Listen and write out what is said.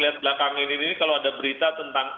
lihat belakang ini ini kalau ada berita tentang